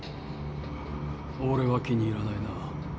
俺は気に入らないな。